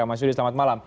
mas yudi selamat malam